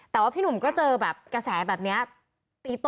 แต่ว่าพี่หนุ่มก็เจอแบบกระแสแบบนี้